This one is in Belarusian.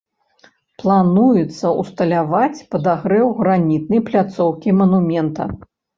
Плануецца ўсталяваць падагрэў гранітнай пляцоўкі манумента.